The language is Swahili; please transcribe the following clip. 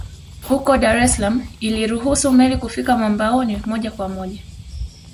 Huko Dar es Salaam iliruhusu meli kufika mwambaoni moja kwa moja